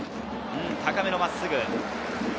高めの真っすぐ。